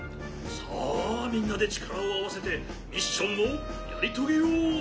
さあみんなでちからをあわせてミッションをやりとげよう！